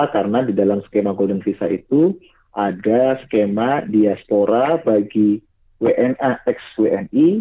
karena di dalam skema golden visa itu ada skema diaspora bagi wna xwni